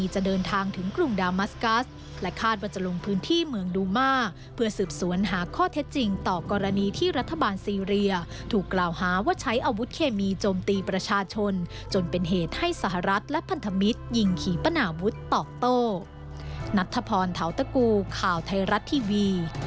กับสงครามกลางเมืองซีเรียที่ยืดเหยือมา๗ปี